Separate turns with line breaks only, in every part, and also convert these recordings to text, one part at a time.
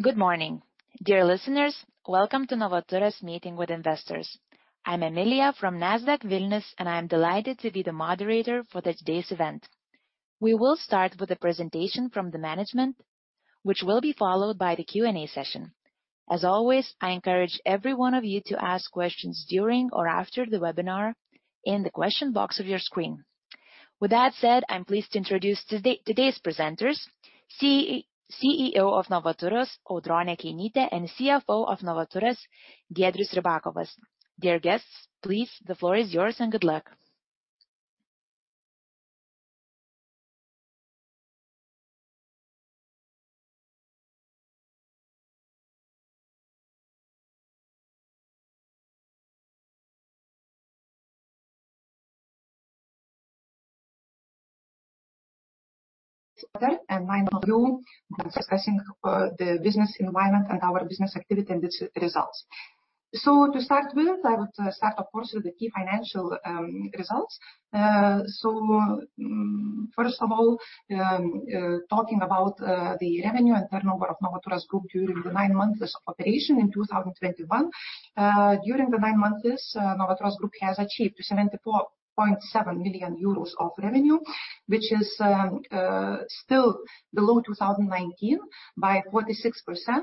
Good morning. Dear listeners, welcome to Novaturas Meeting with Investors. I'm Emilija from Nasdaq Vilnius, and I'm delighted to be the moderator for the today's event. We will start with a presentation from the management, which will be followed by the Q&A session. As always, I encourage every one of you to ask questions during or after the webinar in the question box of your screen. With that said, I'm pleased to introduce today's presenters, CEO of Novaturas, Audronė Keinytė, and CFO of Novaturas, Giedrius Ribakovas. Dear guests, please, the floor is yours and good luck.
I know you're discussing the business environment and our business activity and its results. To start with, I would start, of course, with the key financial results. First of all, talking about the revenue and turnover of Novaturas Group during the nine months of operation in 2021. During the nine months, Novaturas Group has achieved 74.7 million euros of revenue, which is still below 2019 by 46%.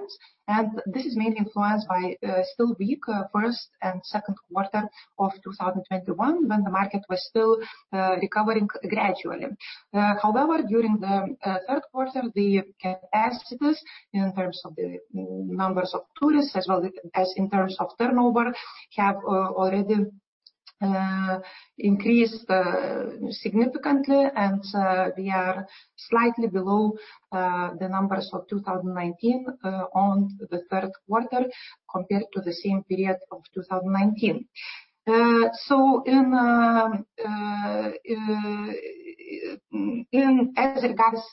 This is mainly influenced by still weak first and second quarter of 2021, when the market was still recovering gradually. However, during the third quarter, the capacities in terms of the numbers of tourists as well as in terms of turnover have already increased significantly. We are slightly below the numbers of 2019 in the third quarter compared to the same period of 2019.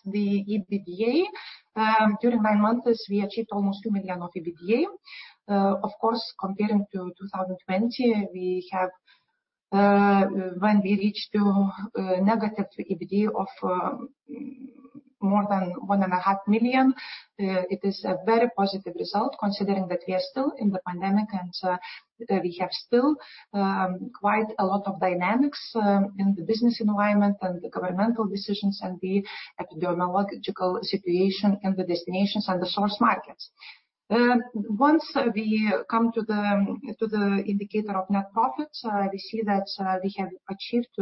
The EBITDA during nine months we achieved almost 2 million of EBITDA. Of course, comparing to 2020, we had a negative EBITDA of more than 1.5 million. It is a very positive result considering that we are still in the pandemic and we have still quite a lot of dynamics in the business environment and the governmental decisions and the epidemiological situation in the destinations and the source markets. Once we come to the indicator of net profits, we see that we have achieved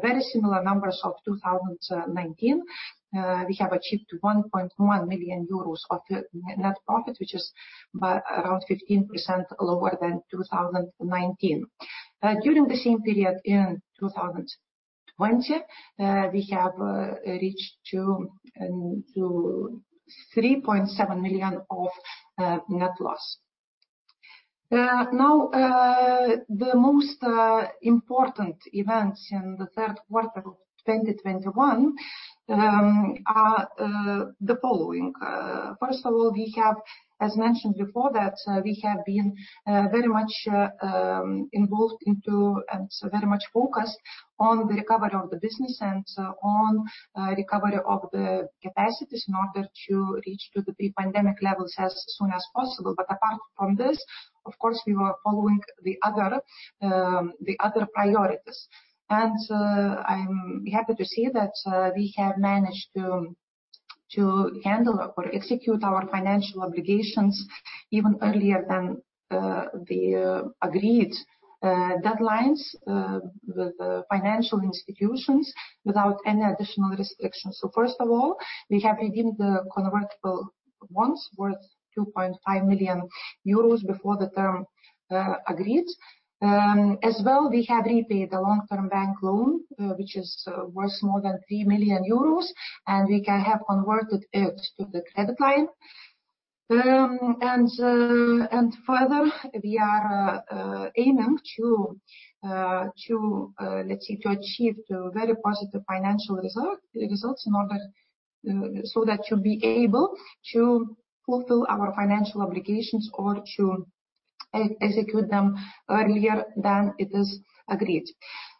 very similar numbers to 2019. We have achieved 1.1 million euros of net profit, which is around 15% lower than 2019. During the same period in 2020, we reached 3.7 million of net loss. Now, the most important events in the third quarter of 2021 are the following. First of all, we have, as mentioned before that, we have been very much involved into and so very much focused on the recovery of the business and on recovery of the capacities in order to reach to the pre-pandemic levels as soon as possible. Apart from this, of course, we were following the other priorities. I'm happy to see that we have managed to handle or execute our financial obligations even earlier than the agreed deadlines with the financial institutions without any additional restrictions. First of all, we have redeemed the convertible bonds worth 2.5 million euros before the term agreed. As well, we have repaid the long-term bank loan, which is worth more than 3 million euros, and we have converted it to the credit line. Further, we are aiming to, let's say, achieve a very positive financial results in order so that to be able to fulfill our financial obligations or to execute them earlier than it is agreed.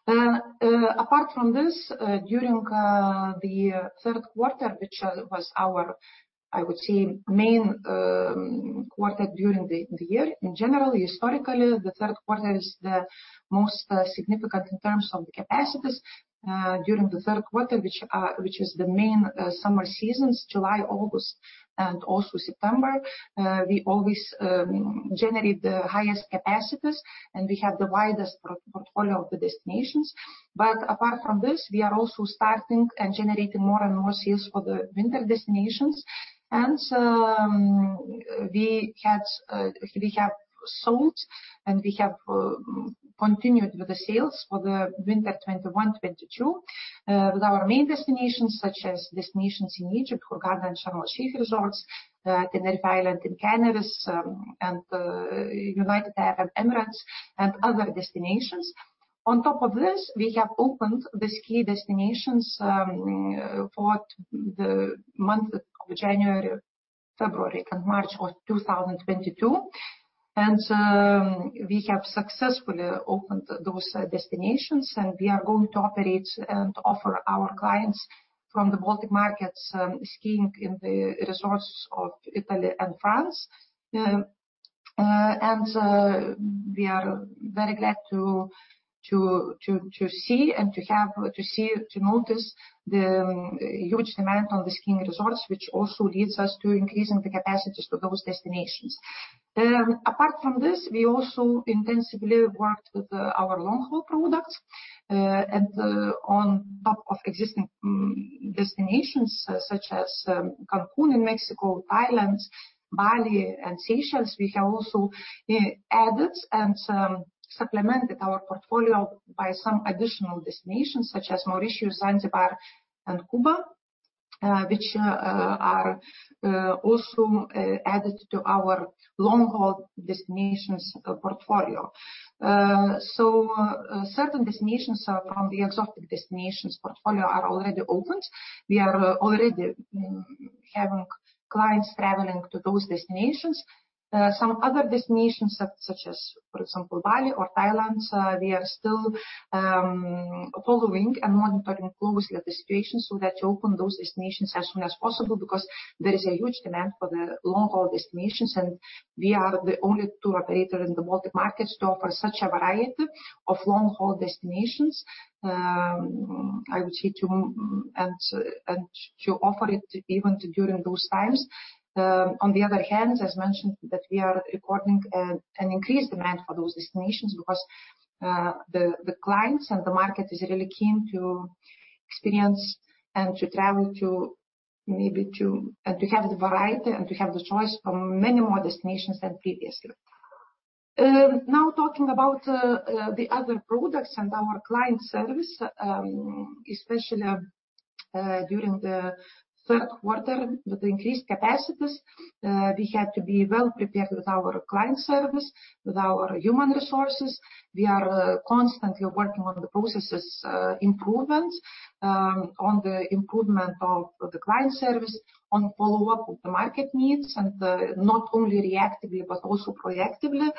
Apart from this, during the third quarter, which was our, I would say main quarter during the year. In general, historically, the third quarter is the most significant in terms of the capacities during the third quarter, which is the main summer seasons, July, August, and also September. We always generate the highest capacities, and we have the widest portfolio of the destinations. Apart from this, we are also starting and generating more and more sales for the winter destinations. We have sold and continued with the sales for the winter 2021, 2022, with our main destinations such as destinations in Egypt, Hurghada and Sharm El-Sheikh resorts, Tenerife Island in Canaries, and United Arab Emirates and other destinations. On top of this, we have opened the ski destinations for the month of January, February and March of 2022. We have successfully opened those destinations, and we are going to operate and offer our clients from the Baltic markets, skiing in the resorts of Italy and France. We are very glad to see and to notice the huge demand on the skiing resorts, which also leads us to increasing the capacities to those destinations. Apart from this, we also intensively worked with our long-haul products. On top of existing destinations such as Cancun in Mexico, Thailand, Bali, and Seychelles, we have also added and supplemented our portfolio by some additional destinations such as Mauritius, Zanzibar, and Cuba, which are also added to our long-haul destinations portfolio. Certain destinations from the exotic destinations portfolio are already opened. We are already having clients traveling to those destinations. Some other destinations such as, for example, Bali or Thailand, we are still following and monitoring closely the situation so that to open those destinations as soon as possible because there is a huge demand for the long-haul destinations. We are the only tour operator in the Baltic markets to offer such a variety of long-haul destinations and to offer it even during those times. On the other hand, as mentioned, we are recording an increased demand for those destinations because the clients and the market is really keen to experience and to travel to and to have the variety and to have the choice from many more destinations than previously. Now talking about the other products and our client service, especially during the third quarter with increased capacities. We had to be well prepared with our client service, with our human resources. We are constantly working on the processes improvements, on the improvement of the client service, on follow-up of the market needs, and not only reactively, but also proactively.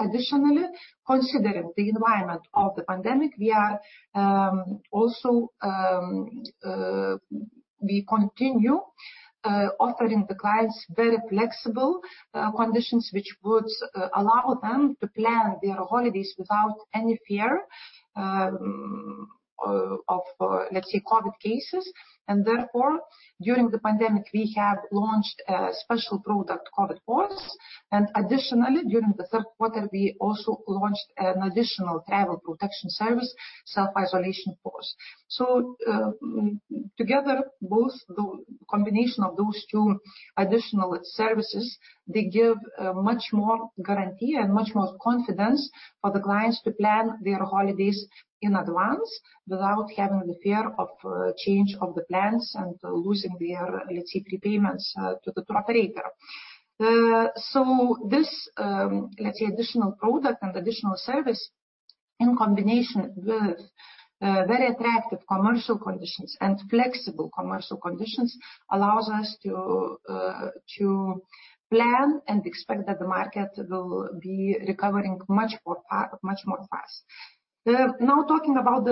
Additionally, considering the environment of the pandemic, we continue offering the clients very flexible conditions which would allow them to plan their holidays without any fear of, let's say, COVID cases. Therefore, during the pandemic, we have launched a special product, COVID Force. Additionally, during the third quarter, we also launched an additional travel protection service, Self-Isolation Force. Together, both the combination of those two additional services, they give much more guarantee and much more confidence for the clients to plan their holidays in advance without having the fear of change of the plans and losing their, let's say, prepayments to the tour operator. This, let's say, additional product and additional service in combination with very attractive commercial conditions and flexible commercial conditions, allows us to plan and expect that the market will be recovering much more fast. Now talking about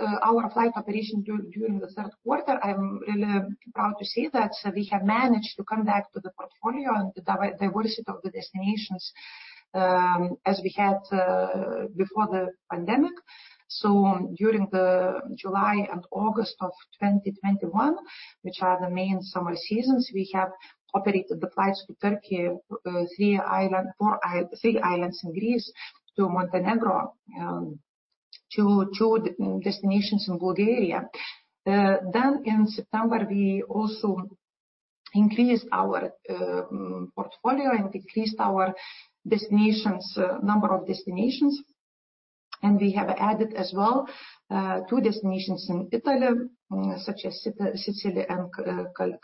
our flight operation during the third quarter, I'm really proud to say that we have managed to come back to the portfolio and the diversity of the destinations, as we had before the pandemic. During the July and August of 2021, which are the main summer seasons, we have operated the flights to Turkey, three islands in Greece, to Montenegro, to two destinations in Bulgaria. In September, we also increased our portfolio and increased our number of destinations. We have added as well two destinations in Italy, such as Sicily and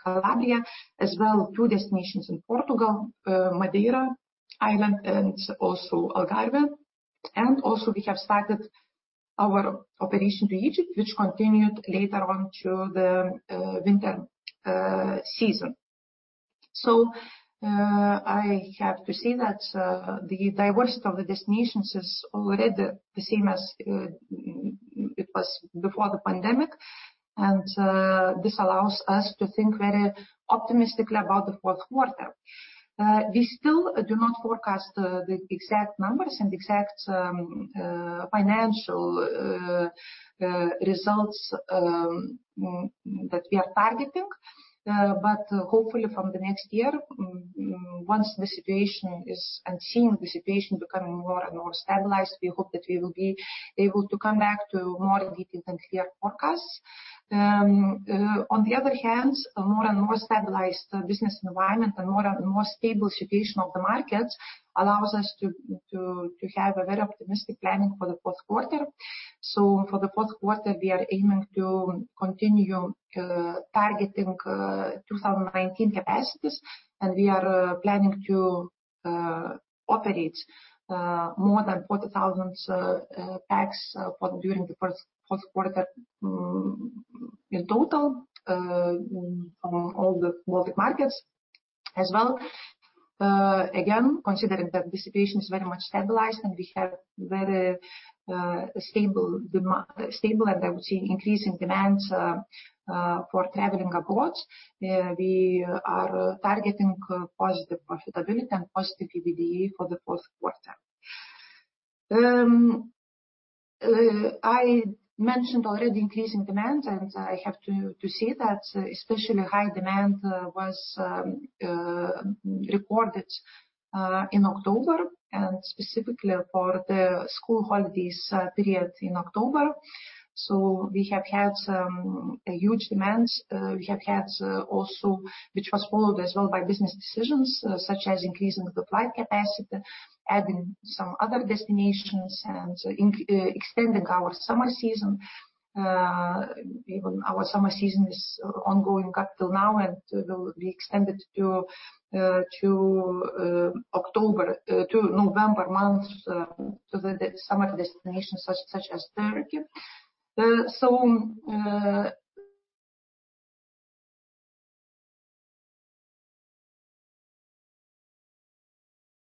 Calabria. As well, two destinations in Portugal, Madeira Island and also Algarve. We have also started our operation to Egypt, which continued later on to the winter season. I have to say that the diversity of the destinations is already the same as it was before the pandemic. This allows us to think very optimistically about the fourth quarter. We still do not forecast the exact numbers and exact financial results that we are targeting. But hopefully from the next year, once the situation is becoming more and more stabilized, we hope that we will be able to come back to more detailed and clear forecast. On the other hand, a more and more stabilized business environment and more and more stable situation of the markets allows us to have a very optimistic planning for the fourth quarter. For the fourth quarter, we are aiming to continue targeting 2019 capacities, and we are planning to operate more than 40,000 pax for the fourth quarter in total. All the Baltic markets as well. Again, considering that this situation is very much stabilized and we have very stable and I would say increasing demands for traveling abroad. We are targeting positive profitability and positive EBITDA for the fourth quarter. I mentioned already increasing demand, and I have to say that especially high demand was recorded in October and specifically for the school holidays period in October. We have had a huge demand, which was followed as well by business decisions such as increasing the flight capacity, adding some other destinations and extending our summer season. Even our summer season is ongoing up till now and will be extended to October to November month to the summer destinations such as Turkey.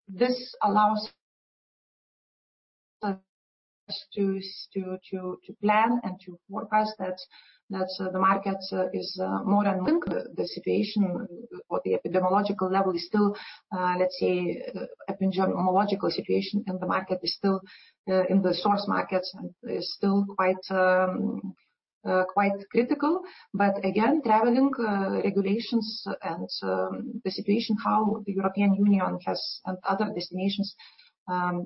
This allows us to plan and to forecast that the market is more than the situation or the epidemiological level is still, let's say, epidemiological situation in the market is still in the source markets and is still quite critical. Again, traveling regulations and the situation how the European Union has and other destinations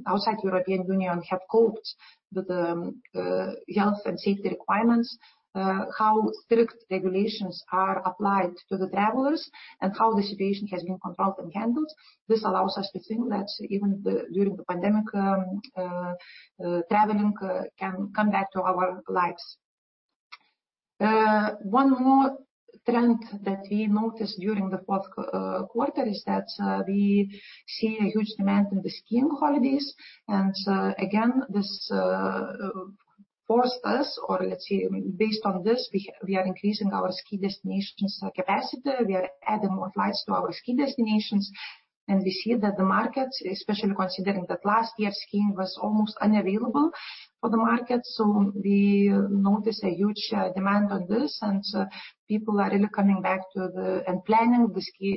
outside European Union have coped with the health and safety requirements, how strict regulations are applied to the travelers and how the situation has been controlled and handled. This allows us to think that even during the pandemic, traveling can come back to our lives. One more trend that we noticed during the fourth quarter is that we see a huge demand in the skiing holidays. Again, this forced us or let's say based on this, we are increasing our ski destinations capacity. We are adding more flights to our ski destinations. We see that the markets, especially considering that last year skiing was almost unavailable for the market. We notice a huge demand on this, and people are really coming back and planning the ski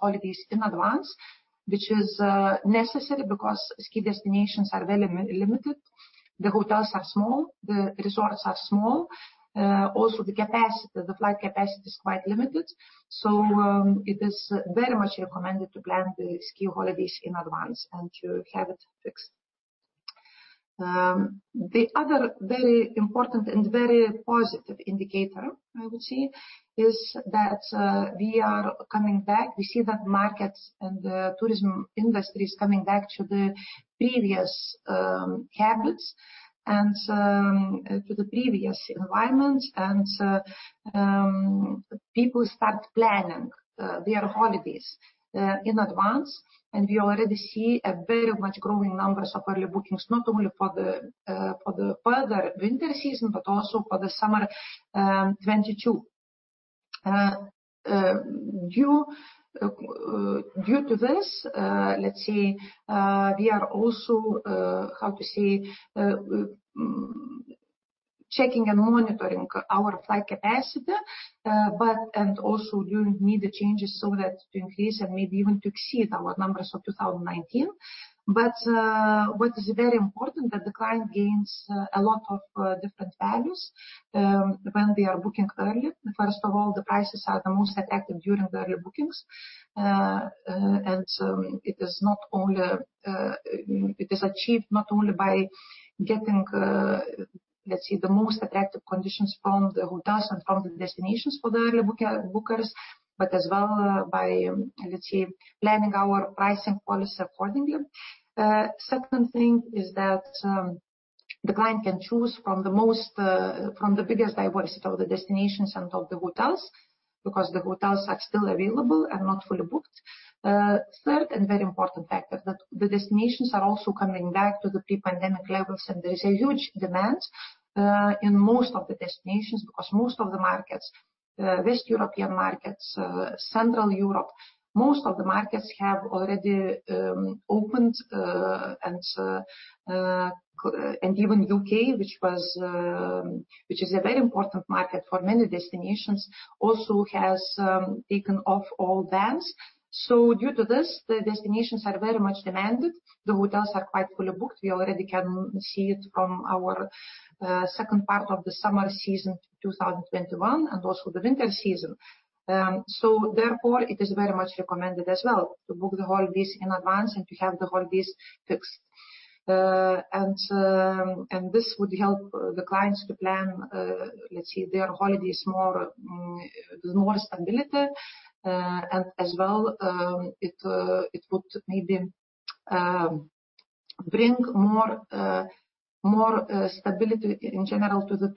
holidays in advance, which is necessary because ski destinations are very limited. The hotels are small, the resorts are small. Also the capacity, the flight capacity is quite limited. It is very much recommended to plan the ski holidays in advance and to have it fixed. The other very important and very positive indicator I would say is that we are coming back. We see that markets and the tourism industry is coming back to the previous habits and to the previous environments. People start planning their holidays in advance. We already see a very much growing numbers of early bookings, not only for the further winter season, but also for the summer 2022. Due to this, let's say, we are also checking and monitoring our flight capacity and also during mid-year changes so that to increase and maybe even to exceed our numbers of 2019. What is very important that the client gains a lot of different values when they are booking early. First of all, the prices are the most attractive during the early bookings. It is achieved not only by getting, let's say, the most attractive conditions from the hotels and from the destinations for the early bookers, but as well by, let's say, planning our pricing policy accordingly. Second thing is that the client can choose from the biggest diversity of the destinations and of the hotels, because the hotels are still available and not fully booked. Third and very important factor that the destinations are also coming back to the pre-pandemic levels, and there is a huge demand in most of the destinations because most of the markets, West European markets, Central Europe, most of the markets have already opened. Even UK, which is a very important market for many destinations, also has taken off all bans. Due to this, the destinations are very much demanded. The hotels are quite fully booked. We already can see it from our second part of the summer season, 2021, and also the winter season. Therefore, it is very much recommended as well to book the holidays in advance and to have the holidays fixed. This would help the clients to plan, let's say their holidays more with more stability. As well, it would maybe bring more stability in general to the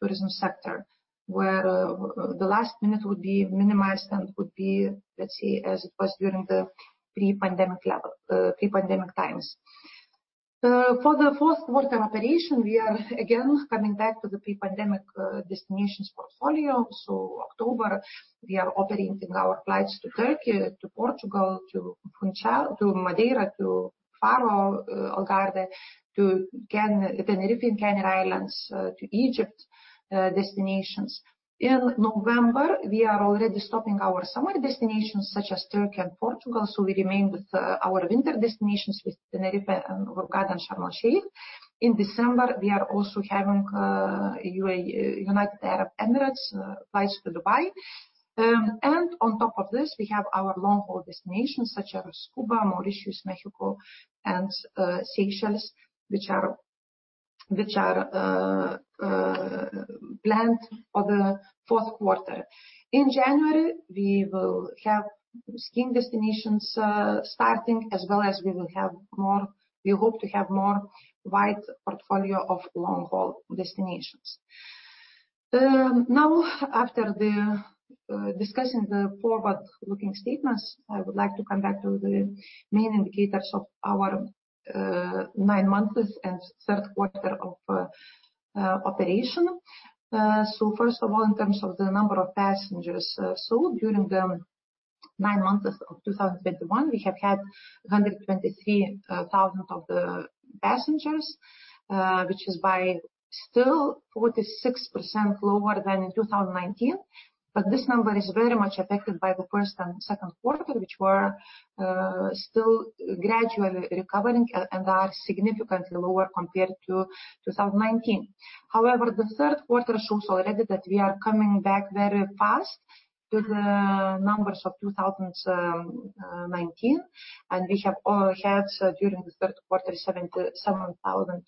tourism sector. Where the last minute would be minimized and would be, let's say, as it was during the pre-pandemic level, pre-pandemic times. For the fourth quarter operation, we are again coming back to the pre-pandemic destinations portfolio. October, we are operating our flights to Turkey, to Portugal, to Funchal, to Madeira, to Faro, Algarve, to the Tenerife Canary Islands, to Egypt, destinations. In November, we are already stopping our summer destinations such as Turkey and Portugal, so we remain with our winter destinations with Tenerife and Hurghada and Sharm El-Sheikh. In December, we are also having UAE, United Arab Emirates, flights to Dubai. On top of this, we have our long-haul destinations such as Cuba, Mauritius, Mexico and Seychelles, which are planned for the fourth quarter. In January, we will have skiing destinations starting, as well as we will have more. We hope to have more wide portfolio of long-haul destinations. Now after discussing the forward-looking statements, I would like to come back to the main indicators of our nine months and third quarter of operation. First of all, in terms of the number of passengers, during the nine months of 2021, we have had 123 thousand passengers, which is still 46% lower than in 2019. This number is very much affected by the first and second quarter, which were still gradually recovering and are significantly lower compared to 2019. However, the third quarter shows already that we are coming back very fast to the numbers of 2019, and we have had during the third quarter 77,500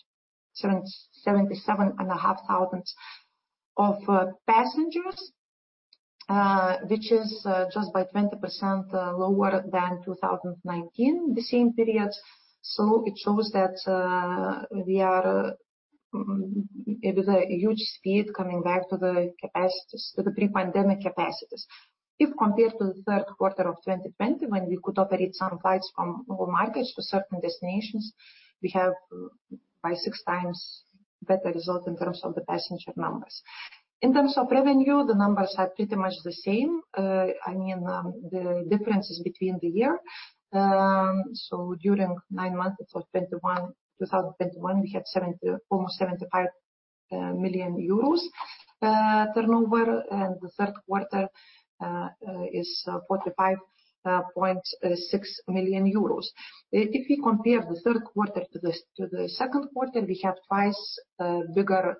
passengers, which is just 20% lower than 2019, the same period. It shows that we are with a huge speed coming back to the capacities, to the pre-pandemic capacities. If compared to the third quarter of 2020, when we could operate some flights from all markets to certain destinations, we have 6 times better result in terms of the passenger numbers. In terms of revenue, the numbers are pretty much the same. I mean, the differences between the year. During nine months of 2021, we had 70 million, almost 75 million euros turnover, and the third quarter is 45.6 million euros. If we compare the third quarter to the second quarter, we have twice bigger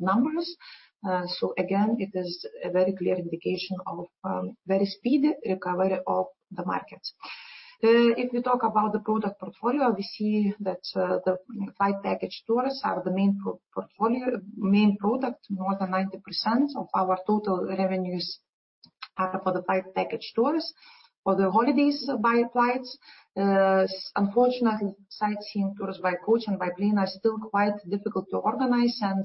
numbers. It is a very clear indication of very speedy recovery of the markets. If we talk about the product portfolio, we see that the flight package tours are the main portfolio, main product. More than 90% of our total revenues are for the flight package tours. For the holidays by flights, unfortunately, sightseeing tours by coach and by plane are still quite difficult to organize, and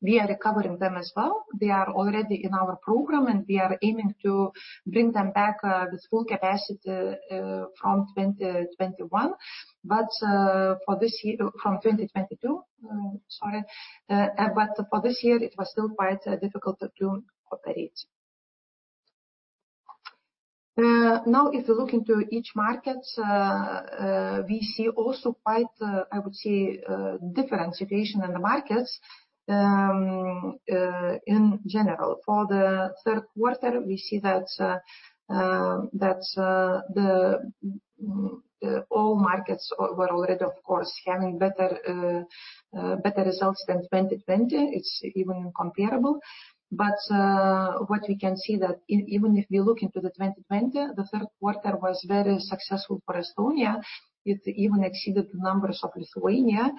we are recovering them as well. They are already in our program, and we are aiming to bring them back with full capacity from 2021. For this year from 2022, sorry. For this year, it was still quite difficult to operate. Now, if you look into each market, we see also quite, I would say, different situation in the markets in general. For the third quarter, we see that all markets were already, of course, having better results than 2020. It's even incomparable. What we can see that even if we look into the 2020, the third quarter was very successful for Estonia. It even exceeded the numbers of Lithuania.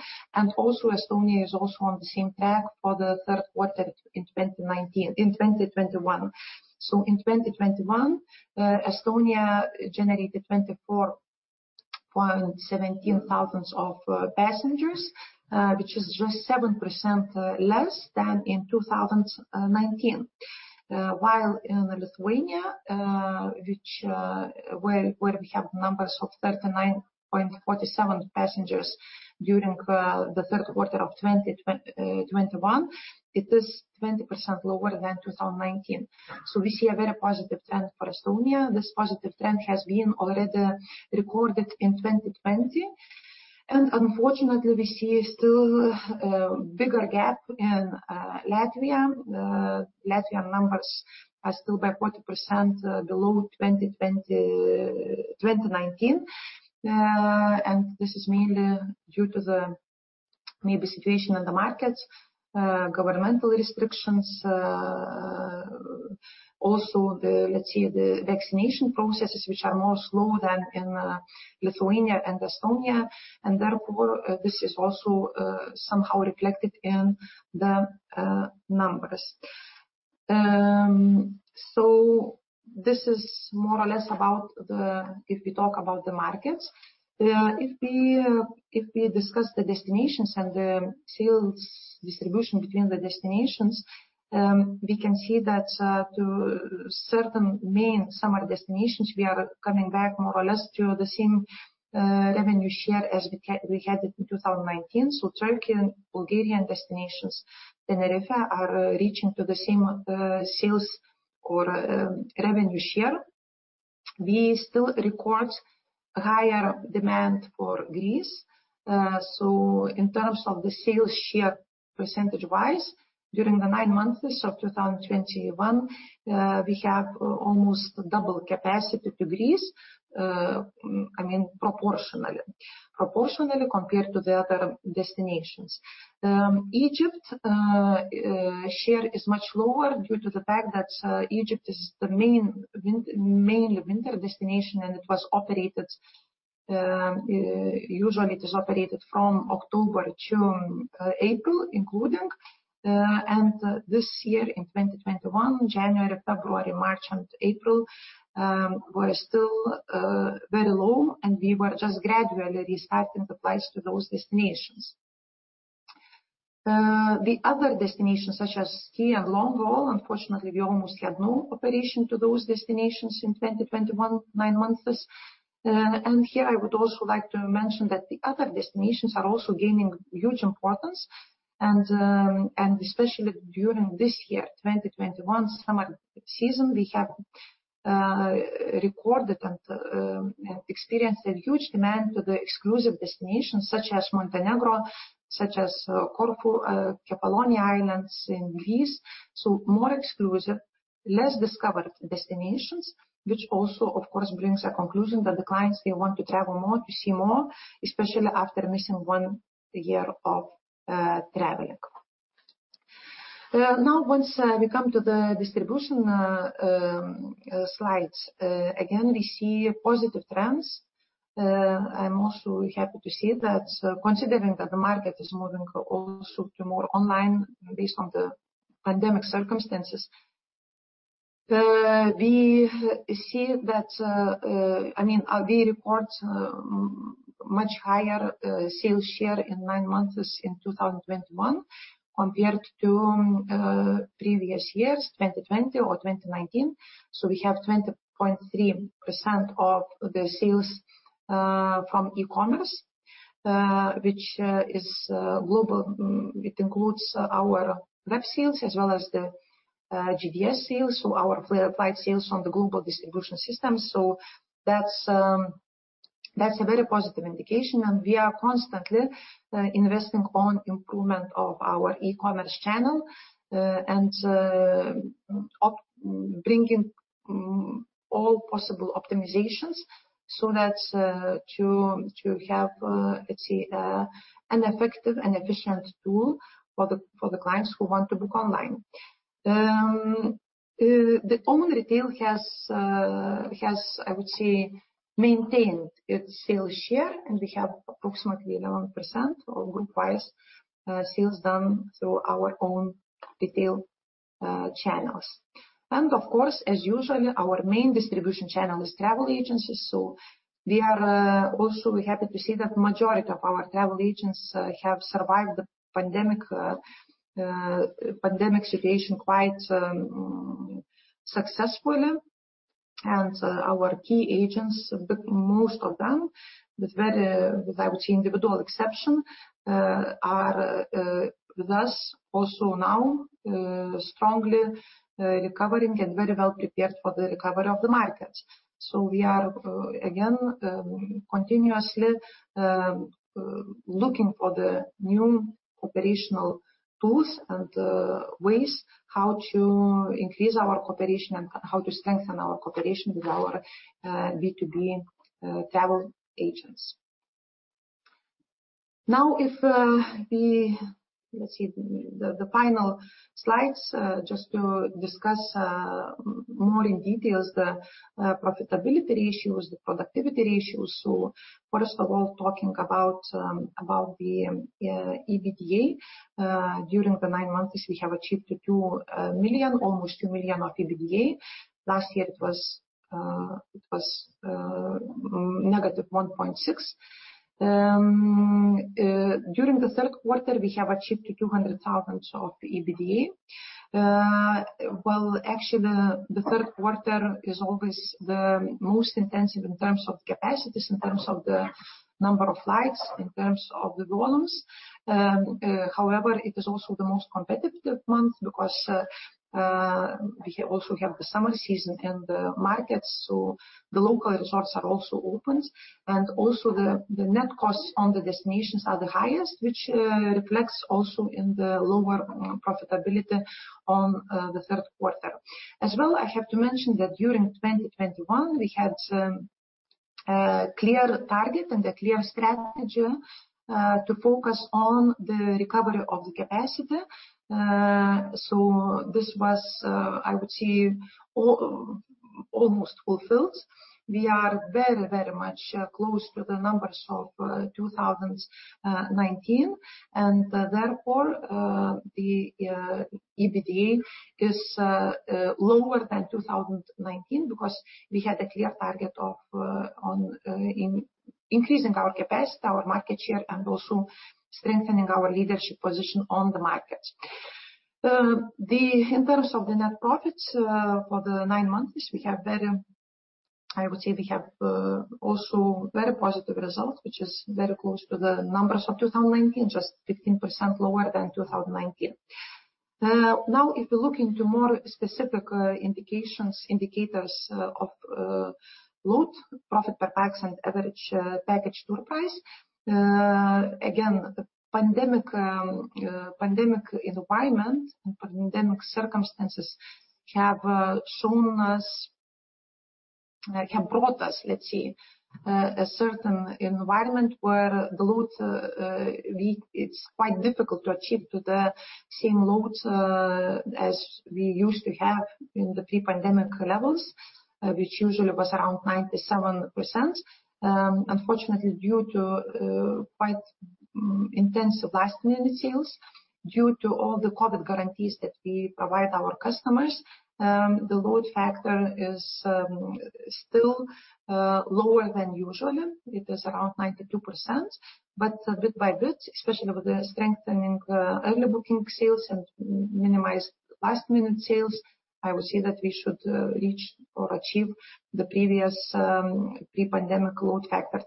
Also Estonia is also on the same track for the third quarter in 2019, in 2021. In 2021, Estonia generated 24.17 thousand passengers, which is just 7% less than in 2019. While in Lithuania, which where we have numbers of 39.47 thousand passengers during the third quarter of 2021, it is 20% lower than 2019. We see a very positive trend for Estonia. This positive trend has been already recorded in 2020. Unfortunately, we see still bigger gap in Latvia. Latvia numbers are still by 40% below 2019. This is mainly due to the maybe situation in the markets, governmental restrictions, also the, let's say, the vaccination processes which are more slow than in, Lithuania and Estonia, and therefore, this is also, somehow reflected in the, numbers. This is more or less about the markets if we talk about the markets. If we discuss the destinations and the sales distribution between the destinations, we can see that, to certain main summer destinations, we are coming back more or less to the same, revenue share as we had it in 2019. Turkey and Bulgarian destinations, Tenerife are reaching to the same, sales or, revenue share. We still record higher demand for Greece. In terms of the sales share percentage-wise, during the nine months of 2021, we have almost double capacity to Greece. I mean, proportionally compared to the other destinations. Egypt share is much lower due to the fact that Egypt is the mainly winter destination, and usually it is operated from October to April, including. This year in 2021, January, February, March and April were still very low, and we were just gradually restarting the flights to those destinations. The other destinations such as ski and long-haul, unfortunately, we almost had no operation to those destinations in 2021 nine months. Here I would also like to mention that the other destinations are also gaining huge importance and especially during this year, 2021 summer season, we have recorded and experienced a huge demand to the exclusive destinations such as Montenegro, Corfu, Kefalonia islands in Greece. More exclusive, less discovered destinations, which also of course brings a conclusion that the clients, they want to travel more, to see more, especially after missing one year of traveling. Now once we come to the distribution slides, again, we see positive trends. I'm also happy to see that, considering that the market is moving also to more online based on the pandemic circumstances. We see that, I mean, we report much higher sales share in nine months in 2021 compared to previous years, 2020 or 2019. We have 20.3% of the sales from e-commerce, which is global. It includes our web sales as well as the GDS sales, so our applied sales on the global distribution system. That's a very positive indication, and we are constantly investing on improvement of our e-commerce channel, and bringing all possible optimizations so that to have, let's say, an effective and efficient tool for the clients who want to book online. Our own retail has maintained its sales share, and we have approximately 11% of group-wide sales done through our own retail channels. Of course, as usual, our main distribution channel is travel agencies. We are also happy to see that the majority of our travel agents have survived the pandemic situation quite successfully. Our key agents, most of them, virtually without individual exception, are with us also now, strongly recovering and very well prepared for the recovery of the markets. We are again continuously looking for the new operational tools and ways how to increase our cooperation and how to strengthen our cooperation with our B2B travel agents. The final slides just to discuss more in details the profitability ratios, the productivity ratios. First of all, talking about the EBITDA. During the nine months, we have achieved almost 2 million of EBITDA. Last year it was -1.6 million. During the third quarter, we have achieved 200,000 of EBITDA. Well, actually the third quarter is always the most intensive in terms of capacities, in terms of the number of flights, in terms of the volumes. However, it is also the most competitive month because we also have the summer season in the markets. The local resorts are also opened. Also the net costs on the destinations are the highest, which reflects also in the lower profitability on the third quarter. As well, I have to mention that during 2021, we had clear target and a clear strategy to focus on the recovery of the capacity. This was, I would say, almost fulfilled. We are very much close to the numbers of 2019. Therefore, the EBITDA is lower than 2019 because we had a clear target of increasing our capacity, our market share, and also strengthening our leadership position on the market. In terms of the net profits, for the nine months, we have, I would say, also very positive results, which is very close to the numbers of 2019, just 15% lower than 2019. Now, if you look into more specific indicators of load, profit per pax and average package tour price, again, the pandemic environment and pandemic circumstances have brought us, let's say, a certain environment where the load, it's quite difficult to achieve to the same loads as we used to have in the pre-pandemic levels, which usually was around 97%. Unfortunately, due to quite intense last-minute sales, due to all the COVID guarantees that we provide our customers, the load factor is still lower than usual. It is around 92%. Bit by bit, especially with the strengthening early booking sales and minimized last-minute sales, I would say that we should reach or achieve the previous pre-pandemic load factor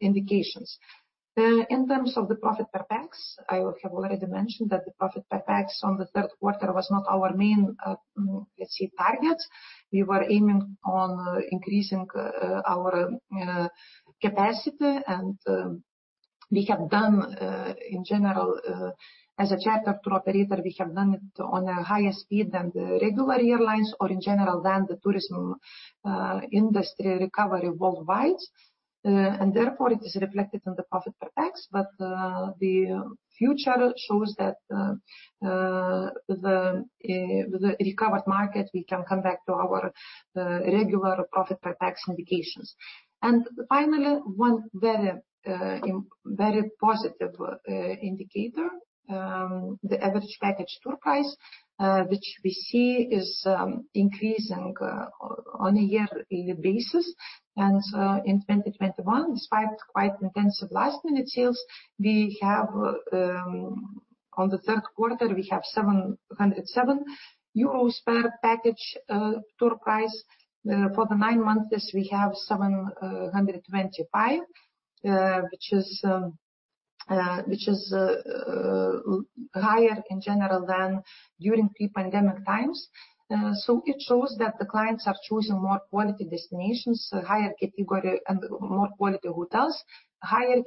indications. In terms of the profit per pax, I have already mentioned that the profit per pax on the third quarter was not our main, let's say, target. We were aiming on increasing our capacity. We have done, in general, as a charter tour operator, we have done it on a higher speed than the regular airlines or in general than the tourism industry recovery worldwide. Therefore it is reflected in the profit per pax. The future shows that in the recovered market we can come back to our regular profit per pax indications. Finally, one very positive indicator, the average package tour price, which we see is increasing on a year-on-year basis. In 2021, despite quite intensive last-minute sales, we have in the third quarter 707 euros per package tour price. For the nine months, we have EUR 725, which is higher in general than during pre-pandemic times. It shows that the clients are choosing more quality destinations, higher category and more quality hotels. They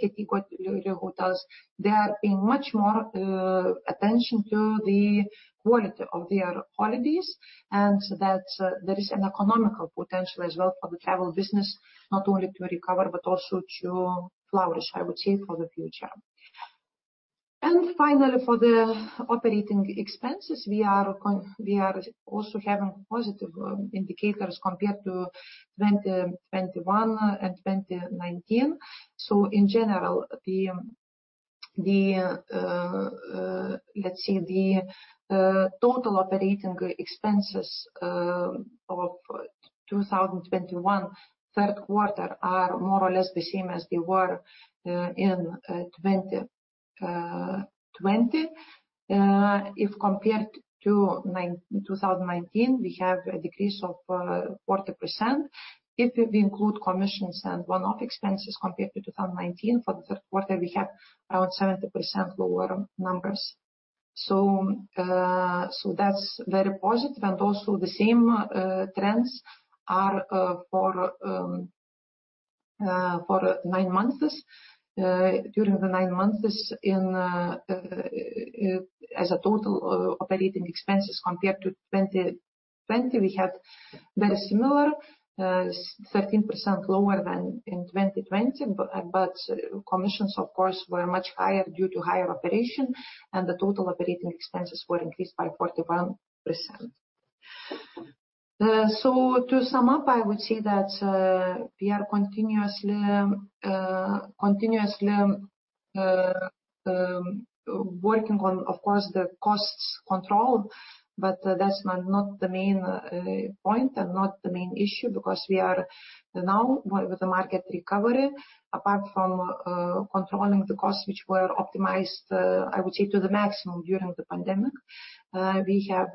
are paying much more attention to the quality of their holidays, and that there is an economic potential as well for the travel business, not only to recover, but also to flourish, I would say, for the future. Finally, for the operating expenses, we are also having positive indicators compared to 2021 and 2019. In general, the total operating expenses of 2021 third quarter are more or less the same as they were in 2020. If compared to 2019, we have a decrease of 40%. If we include commissions and one-off expenses compared to 2019 for the third quarter, we have around 70% lower numbers. That's very positive. Also the same trends are for nine months. During the nine months in as a total, operating expenses compared to 2020, we had very similar 13% lower than in 2020. But commissions, of course, were much higher due to higher operation, and the total operating expenses were increased by 41%. To sum up, I would say that we are continuously working on, of course, the costs control, but that's not the main point and not the main issue, because we are now with the market recovery, apart from controlling the costs which were optimized, I would say, to the maximum during the pandemic.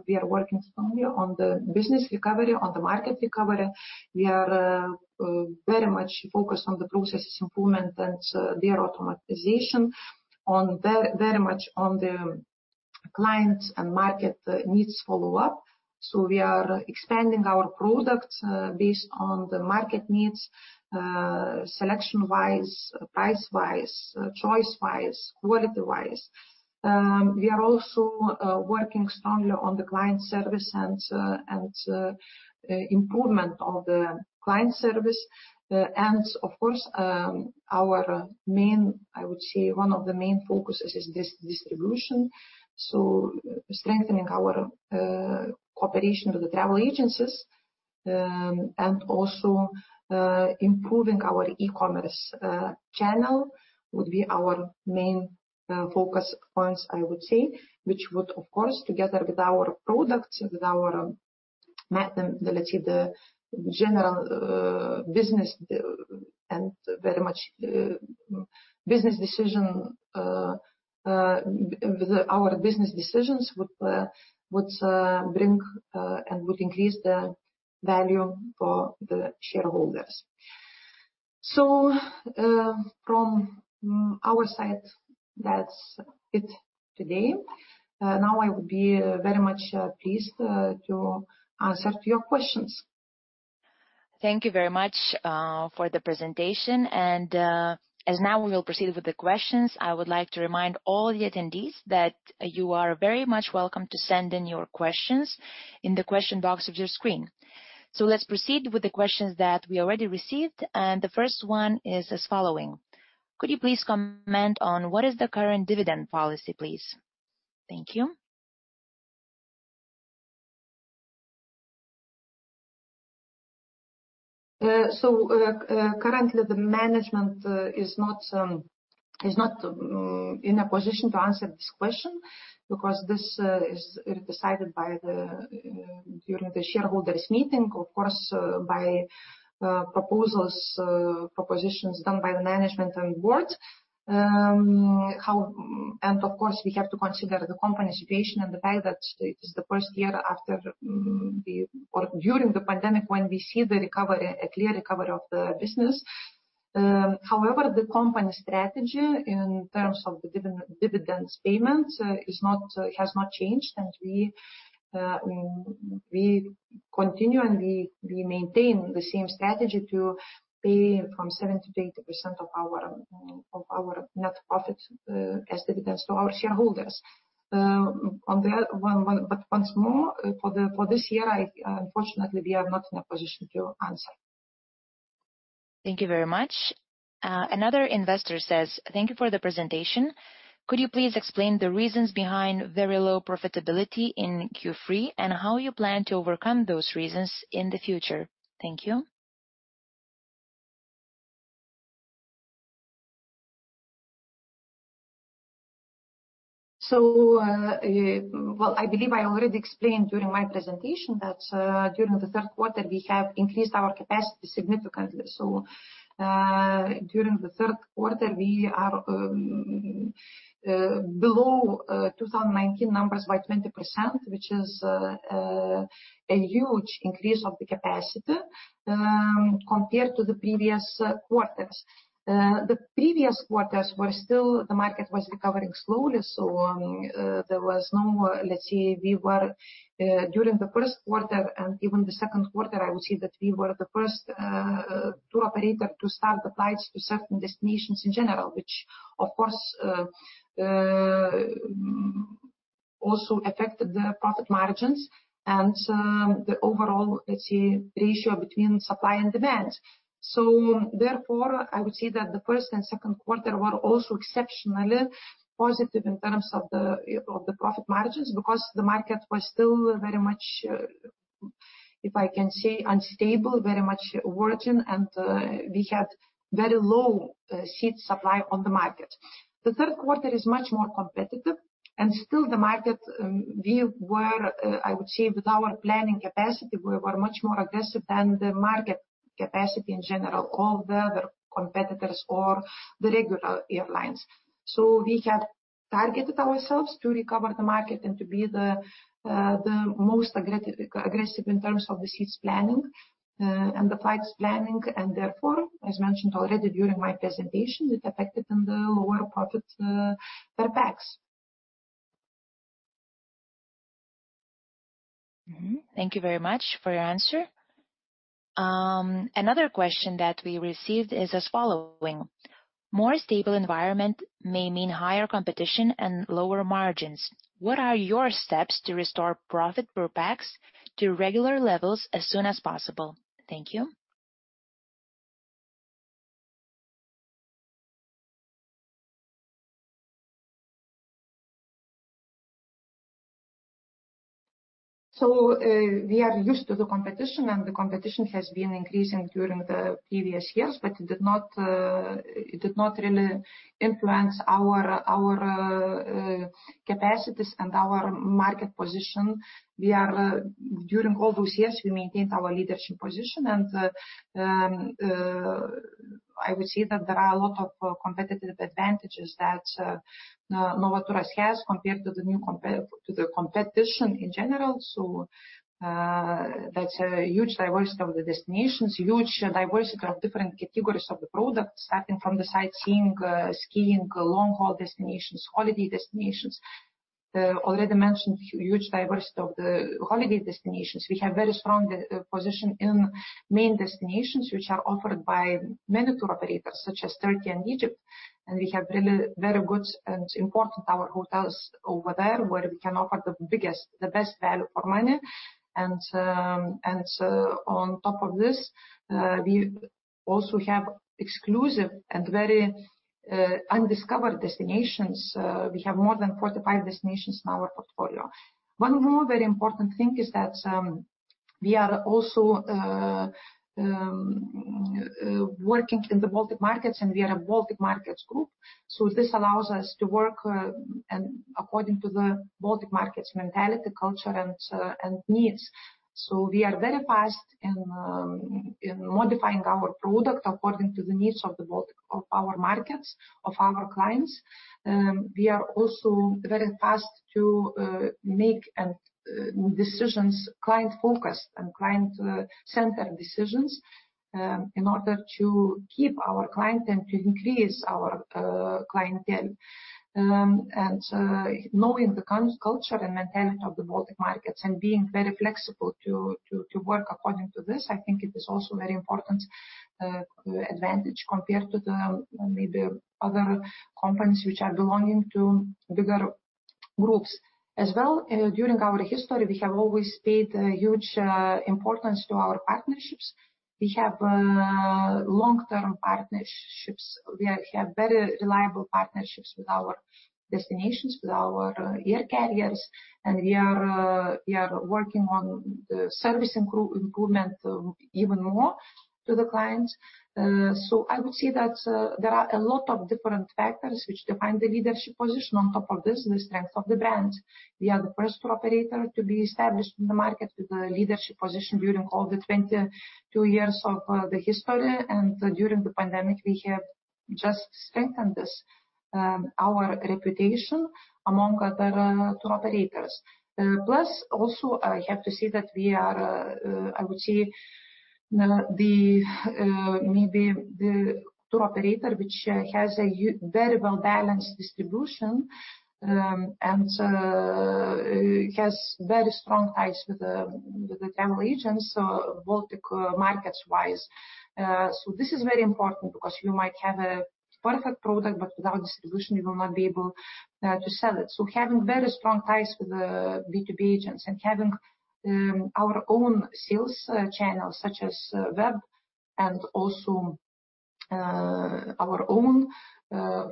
We are working strongly on the business recovery, on the market recovery. We are very much focused on the processes improvement and their automation, very much on the clients and market needs follow-up. We are expanding our products based on the market needs, selection-wise, price-wise, choice-wise, quality-wise. We are also working strongly on the client service and improvement of the client service. Of course, our main, I would say, one of the main focuses is distribution. Strengthening our cooperation with the travel agencies. Improving our e-commerce channel would be our main focus points, I would say. Which would, of course, together with our products, with our method, let's say the general business and very much business decision, our business decisions would bring and would increase the value for the shareholders. From our side, that's it today. Now I would be very much pleased to answer to your questions.
Thank you very much for the presentation. As now we will proceed with the questions, I would like to remind all the attendees that you are very much welcome to send in your questions in the question box of your screen. Let's proceed with the questions that we already received, and the first one is as follows: Could you please comment on what is the current dividend policy, please? Thank you.
Currently, the management is not in a position to answer this question because this is decided during the shareholders meeting, of course, by proposals done by the management and boards. Of course, we have to consider the company's situation and the fact that it is the first year after the or during the pandemic when we see the recovery, a clear recovery of the business. However, the company strategy in terms of the dividends payments has not changed. We continue and we maintain the same strategy to pay from 70%-80% of our net profits as dividends to our shareholders. On the other one... Once more, for this year, I unfortunately we are not in a position to answer.
Thank you very much. Another investor says, "Thank you for the presentation. Could you please explain the reasons behind very low profitability in Q3, and how you plan to overcome those reasons in the future? Thank you.
Well, I believe I already explained during my presentation that during the third quarter we have increased our capacity significantly. During the third quarter we are below 2019 numbers by 20%, which is a huge increase of the capacity compared to the previous quarters. The previous quarters were still. The market was recovering slowly. There was no, let's say we were during the first quarter and even the second quarter. I would say that we were the first tour operator to start the flights to certain destinations in general. Which of course also affected the profit margins and the overall, let's say, ratio between supply and demand. Therefore, I would say that the first and second quarter were also exceptionally positive in terms of the profit margins because the market was still very much, if I can say, unstable, very much working and we had very low seat supply on the market. The third quarter is much more competitive and still the market we were, I would say with our planning capacity, we were much more aggressive than the market capacity in general, all the other competitors or the regular airlines. We have targeted ourselves to recover the market and to be the most aggressive in terms of the seats planning and the flights planning. Therefore, as mentioned already during my presentation, it affected in the lower profit per pax.
Mm-hmm. Thank you very much for your answer. Another question that we received is as following: More stable environment may mean higher competition and lower margins. What are your steps to restore profit per pax to regular levels as soon as possible? Thank you.
We are used to the competition, and the competition has been increasing during the previous years, but it did not really influence our capacities and our market position. We, during all those years, maintained our leadership position, and I would say that there are a lot of competitive advantages that Novaturas has compared to the competition in general. That's a huge diversity of the destinations, huge diversity of different categories of the products, starting from the sightseeing, skiing, long-haul destinations, holiday destinations. The already mentioned huge diversity of the holiday destinations. We have very strong position in main destinations, which are offered by many tour operators such as Turkey and Egypt. We have really very good and important our hotels over there, where we can offer the biggest, the best value for money. On top of this, we also have exclusive and very undiscovered destinations. We have more than 45 destinations in our portfolio. One more very important thing is that we are also working in the Baltic markets and we are a Baltic markets group, so this allows us to work and according to the Baltic markets mentality, culture and needs. We are very fast in modifying our product according to the needs of the Baltic of our markets, of our clients. We are also very fast to make decisions client-focused and client-centered decisions in order to keep our client and to increase our clientele. Knowing the client's culture and mentality of the Baltic markets and being very flexible to work according to this, I think it is also very important advantage compared to the maybe other companies which are belonging to bigger groups. As well, during our history, we have always paid a huge importance to our partnerships. We have long-term partnerships. We have very reliable partnerships with our destinations, with our air carriers, and we are working on the service improvement even more to the clients. I would say that there are a lot of different factors which define the leadership position on top of this, the strength of the brand. We are the first tour operator to be established in the market with a leadership position during all the 22 years of the history. During the pandemic, we have just strengthened this our reputation among other tour operators. Plus also, I have to say that we are I would say the maybe the tour operator which has very well-balanced distribution and has very strong ties with the travel agents Baltic markets-wise. This is very important because you might have a perfect product, but without distribution you will not be able to sell it. Having very strong ties with the B2B agents and having our own sales channels such as web and also our own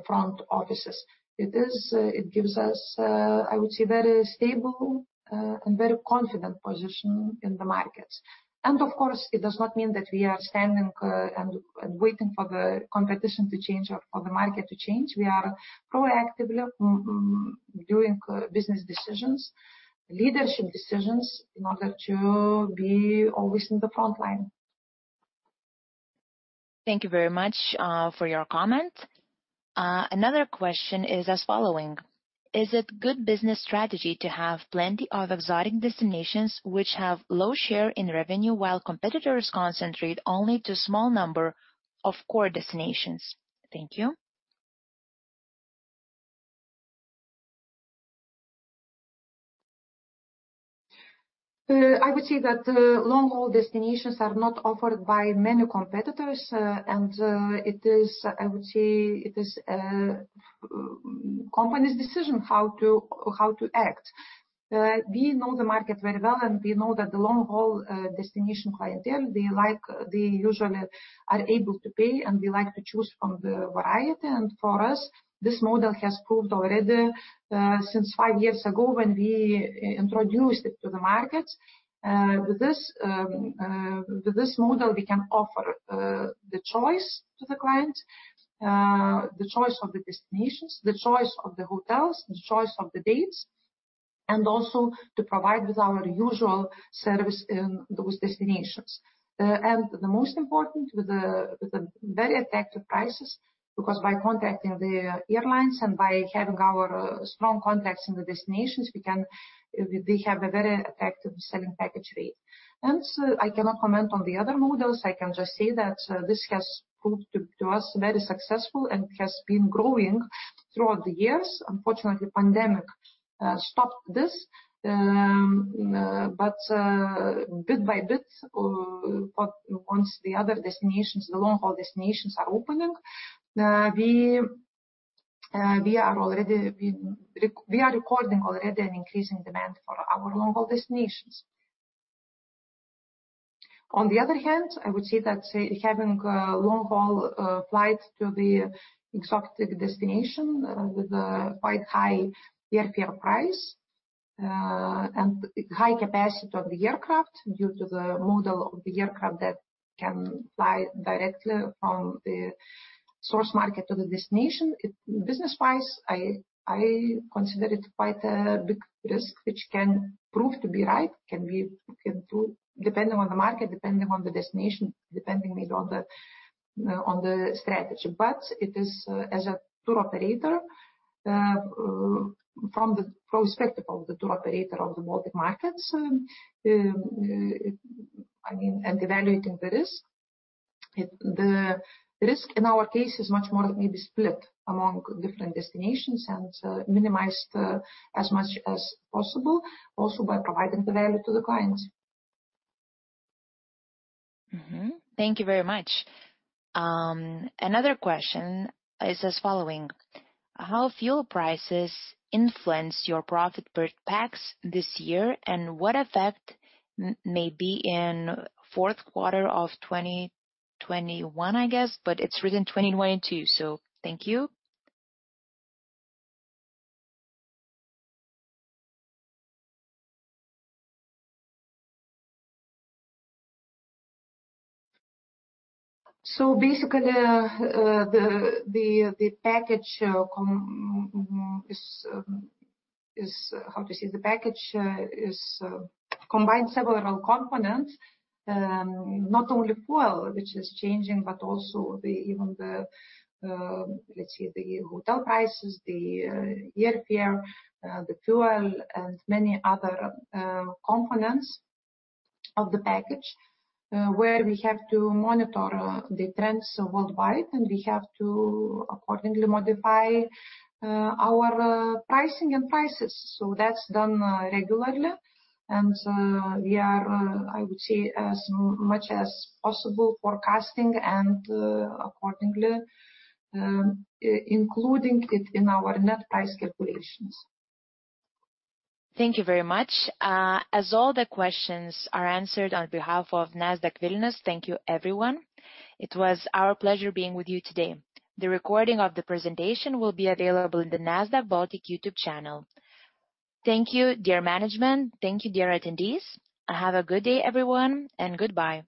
front offices, it gives us, I would say, very stable and very confident position in the markets. Of course it does not mean that we are standing and waiting for the competition to change or for the market to change. We are proactively doing business decisions, leadership decisions, in order to be always in the frontline.
Thank you very much for your comment. Another question is as following: Is it good business strategy to have plenty of exotic destinations which have low share in revenue while competitors concentrate only to small number of core destinations? Thank you.
I would say that the long-haul destinations are not offered by many competitors. It is the company's decision how to act. We know the market very well, and we know that the long-haul destination clientele, they like, they usually are able to pay, and they like to choose from the variety. For us, this model has proved already since five years ago when we introduced it to the market. With this model we can offer the choice to the client, the choice of the destinations, the choice of the hotels, the choice of the dates, and also to provide with our usual service in those destinations. The most important, with the very attractive prices, because by contacting the airlines and by having our strong contacts in the destinations, we have a very effective selling package rate. I cannot comment on the other models. I can just say that this has proved to us very successful and has been growing throughout the years. Unfortunately, pandemic stopped this. Bit by bit, once the other destinations, the long-haul destinations are opening, we are already recording already an increasing demand for our long-haul destinations. On the other hand, I would say that, say, having a long-haul flight to the exotic destination with a quite high airfare price, and high capacity of the aircraft due to the model of the aircraft that can fly directly from the source market to the destination. Business-wise, I consider it quite a big risk, which can prove to be right, can prove depending on the market, depending on the destination, depending maybe on the strategy. It is as a tour operator from the perspective of the tour operator of the Baltic markets, I mean, and evaluating the risk, the risk in our case is much more maybe split among different destinations and minimized as much as possible also by providing the value to the clients.
Thank you very much. Another question is as following: How fuel prices influence your profit per pax this year, and what effect may be in fourth quarter of 2021, I guess, but it's written 2022, so thank you.
Basically, the package combines several components, not only fuel which is changing, but also even the, let's say, the hotel prices, the airfare, the fuel and many other components of the package, where we have to monitor the trends worldwide, and we have to accordingly modify our pricing and prices. That's done regularly. We are, I would say, as much as possible forecasting and accordingly including it in our net price calculations.
Thank you very much. As all the questions are answered on behalf of Nasdaq Vilnius, thank you, everyone. It was our pleasure being with you today. The recording of the presentation will be available in the Nasdaq Baltic YouTube channel. Thank you, dear management. Thank you, dear attendees. Have a good day, everyone, and goodbye.